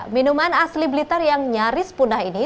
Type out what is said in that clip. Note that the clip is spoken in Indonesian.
minuman asli blitar yang nyaris punah ini